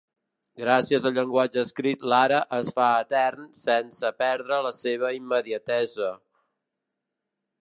Gràcies al llenguatge escrit l'ara es fa etern sense perdre la seva immediatesa.